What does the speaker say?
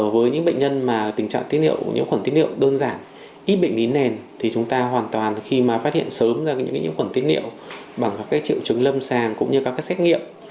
với những bệnh nhân mà tình trạng nhiễm khuẩn tiết niệm đơn giản ít bệnh lý nền thì chúng ta hoàn toàn khi mà phát hiện sớm ra những nhiễm khuẩn tiết niệm bằng các triệu chứng lâm sàng cũng như các xét nghiệm